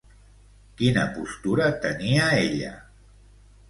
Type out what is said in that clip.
Quina postura tenia ella?